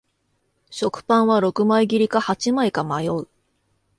食パンは六枚切りか八枚か迷う